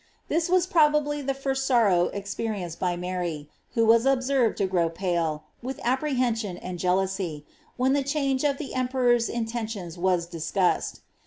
This was probably the first sorrow experienced by Mary, who WM observed to grow pale, with apprehension and jealousy, when the phange of the emperor's intentions was discussed.